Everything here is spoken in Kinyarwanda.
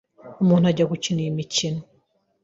Umuntu ajya gukina iyi mikino